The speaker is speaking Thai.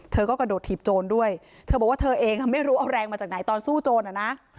เธอก็กระโดดถีบโจรด้วยเธอบอกว่าเธอเองไม่รู้เอาแรงมาจากไหนตอนสู้โจรอะนะ